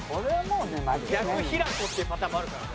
逆平子っていうパターンもあるからね。